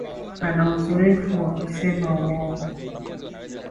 Ana uzoefu wa kusema uongo